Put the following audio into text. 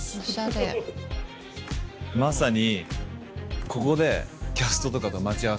まさに。